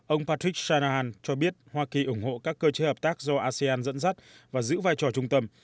ông patrick shanahan cho biết hoa kỳ ủng hộ các cơ chế hợp tác do asean dẫn dắt và giữ vai trò trung tâm